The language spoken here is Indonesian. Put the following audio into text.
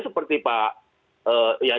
seperti pak yang